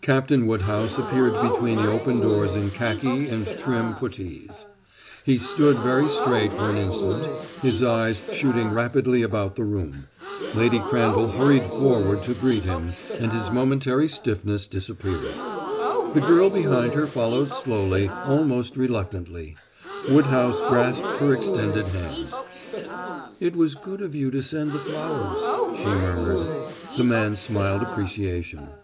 Captain Woodhouse appeared between the opened doors in khaki and trim puttees. He stood very straight for an instant, his eyes shooting rapidly about the room. Lady Crandall hurried forward to greet him, and his momentary stiffness disappeared. The girl behind her followed slowly, almost reluctantly. Woodhouse grasped her extended hand. "It was good of you to send the flowers," she murmured. The man smiled appreciation.